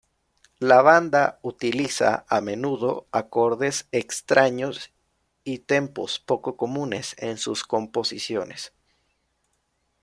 La banda utiliza a menudo acordes extraños y tempos poco comunes en sus composiciones.